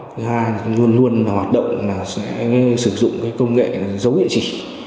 thứ hai là luôn luôn hoạt động sử dụng công nghệ giấu địa chỉ